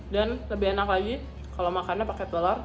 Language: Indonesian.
dan lebih enak lagi kalau makannya pakai telur